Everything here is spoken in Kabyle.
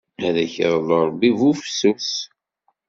Ad ak-iḍlu Ṛebbi bufsus!